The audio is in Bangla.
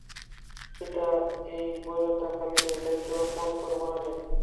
পিতা এই বৈরিতা খালিদের দায়িত্বে অর্পণ করে মারা যায়।